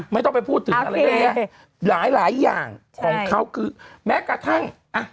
ไม่ต้องไปพูดถึงอะไรเรื่องเนี้ยหลายหลายอย่างของเขาคือแม้กระทั่งอ่ะ